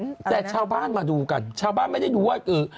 อืมแต่ชาวบ้านมาดูกันชาวบ้านไม่ได้ดูว่าเออ